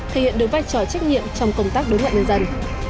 thể hiện được vai trò trách nhiệm trong công tác đối ngoại nhân dân